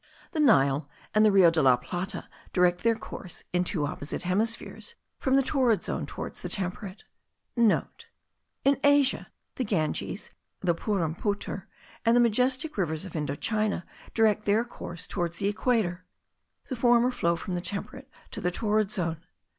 The Nile and the Rio de la Plata direct their course, in the two opposite hemispheres, from the torrid zone towards the temperate.* (* In Asia, the Ganges, the Burrampooter, and the majestic rivers of Indo China direct their course towards the equator. The former flow from the temperate to the torrid zone.